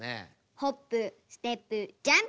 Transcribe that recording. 「ホップステップジャンプ！」ぐらい。